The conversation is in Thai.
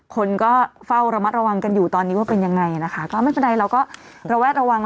คนก็เฝ้าระมัดระวังกันอยู่ตอนนี้ว่าเป็นยังไงนะคะก็ไม่เป็นไรเราก็ระแวดระวัง